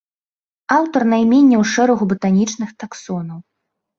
Аўтар найменняў шэрагу батанічных таксонаў.